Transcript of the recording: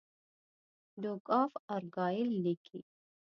ډوک آف ارګایل لیکي.